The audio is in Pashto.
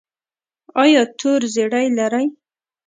ایا تور زیړی لرئ؟